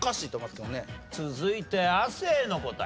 続いて亜生の答え。